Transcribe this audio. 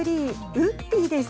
ウッディーです。